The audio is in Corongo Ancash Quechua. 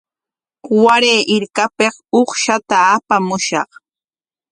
Waray hirpapik uqshata apamushaq.